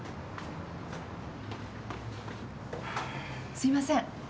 ・すいません。